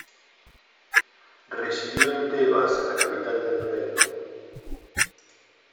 Residió en Tebas, la capital del reino.